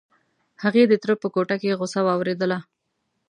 هغې د تره په کوټه کې غوسه واورېدله.